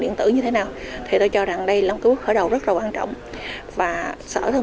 điện tử như thế nào thì tôi cho rằng đây là một cái bước khởi đầu rất là quan trọng và sở thương